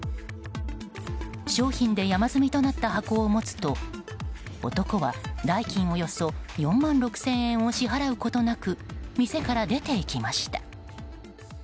商品で山積みとなった箱を持つと男は代金およそ４万６０００円を支払うことなく店から出て行きました。